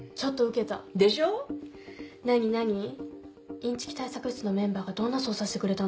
いんちき対策室のメンバーがどんな捜査してくれたの？